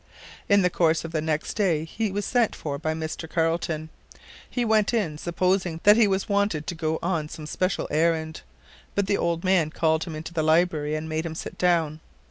In the course of the next day he was sent for by Mr. Carleton. He went in, supposing that he was wanted to go on some special errand, but the old man called him into the library and made him sit down.